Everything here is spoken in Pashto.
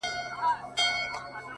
• موږ ته یې کیسه په زمزمو کي رسېدلې ده,